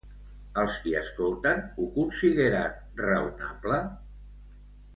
Els qui escolten ho consideren raonable?